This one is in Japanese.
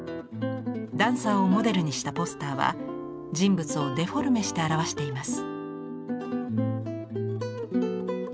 ダンサーをモデルにしたポスターは人物をデフォルメして表しています。